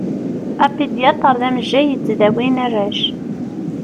Apidyatṛ d amejjay yettdawin arrac.